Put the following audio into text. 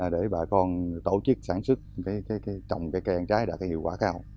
để bà con tổ chức sản xuất trồng cây ăn trái đã có hiệu quả cao